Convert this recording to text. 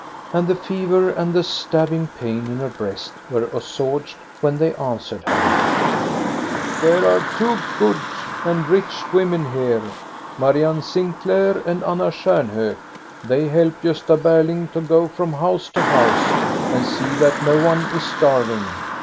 And the fever and the stabbing pain in her breast were assuaged, when they answered her :" There are two good and rich women here, Marianne Sinclair and Anna Stjarnhok. They help Gosta Berling to go from house to house and see that no one is starv ing.